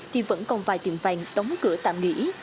thì vẫn còn vài tiệm vàng đóng cửa tạm nghỉ